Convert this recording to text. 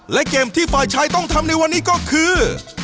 และเกมที่ฝ่ายชายต้องทำในวันนี้ก็คือ